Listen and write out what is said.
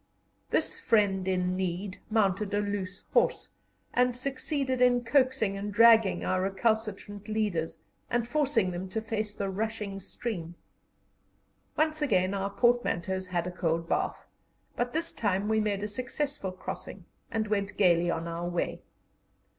This friend in need mounted a loose horse, and succeeded in coaxing and dragging our recalcitrant leaders, and forcing them to face the rushing stream. Once again our portmanteaus had a cold bath, but this time we made a successful crossing, and went gaily on our way.